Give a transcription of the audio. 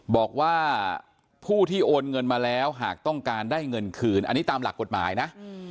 บอกว่าผู้ที่โอนเงินมาแล้วหากต้องการได้เงินคืนอันนี้ตามหลักกฎหมายนะ